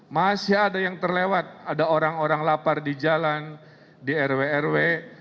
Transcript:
masih ada yang terlewat ada orang orang lapar di jalan di rw rw